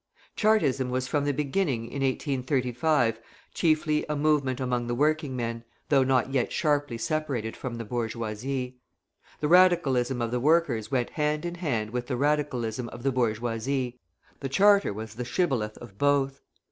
Chartism was from the beginning in 1835 chiefly a movement among the working men, though not yet sharply separated from the bourgeoisie. The Radicalism of the workers went hand in hand with the Radicalism of the bourgeoisie; the Charter was the shibboleth of both.